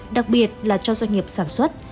đặc biệt là cho doanh nghiệp sản xuất